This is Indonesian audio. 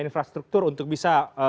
infrastruktur untuk bisa